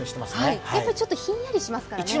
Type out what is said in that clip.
ちょっとひんやりしますからね。